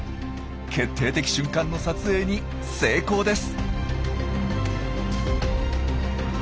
決定的瞬間の撮影に成功です。